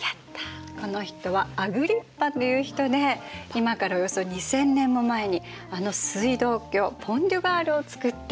この人はアグリッパという人で今からおよそ２，０００年も前にあの水道橋ポン・デュ・ガールをつくった人。